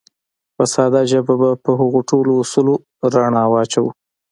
په ساده ژبه به په هغو ټولو اصولو رڼا واچوو.